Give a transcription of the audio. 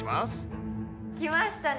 来ましたね。